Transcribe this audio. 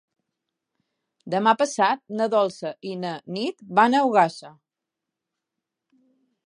Demà passat na Dolça i na Nit van a Ogassa.